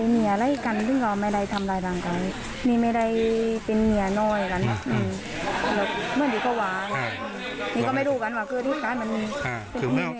พี่น้องก็ไม่รู้ว่าน่ะว่ามันเอาไว้แล้ว